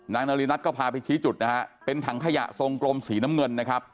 นารินัทก็พาไปชี้จุดนะฮะเป็นถังขยะทรงกลมสีน้ำเงินนะครับ